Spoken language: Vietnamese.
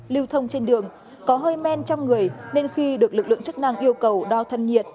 lưu thông trên đường có hơi men trong người nên khi được lực lượng chức năng yêu cầu đo thân nhiệt